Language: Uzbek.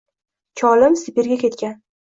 — Cholim Sibirga ketgan.